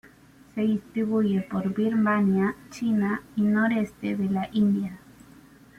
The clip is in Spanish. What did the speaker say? Se distribuye por Birmania, China y nordeste de la India.